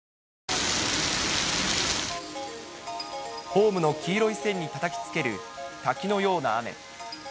ホームの黄色い線にたたきつける滝のような雨。